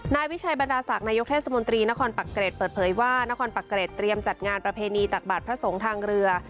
นายวิชัยบรรดาศักดิ์นายกเทศมนตรีนครปักเกร็ดเปิดเผยว่านครปักเกร็ดเตรียมจัดงานประเพณีตักบาทพระสงฆ์ทางเรือ